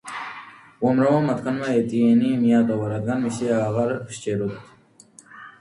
უამრავმა მათგანმა ეტიენი მიატოვა, რადგან მისი აღარ სჯეროდათ.